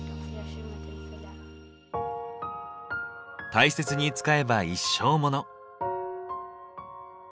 大切に使えば一生モノ。